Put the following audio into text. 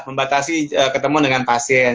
membatasi ketemu dengan pasien